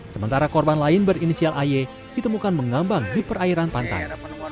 sementara korban lain berinisial aye ditemukan mengambang di perairan pantai